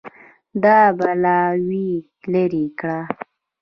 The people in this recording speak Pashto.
دا بلاوې لرې کړه